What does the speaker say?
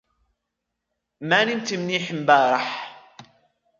ما نمت منيح مبارح